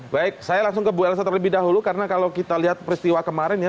baik saya langsung ke bu elsa terlebih dahulu karena kalau kita lihat peristiwa kemarin ya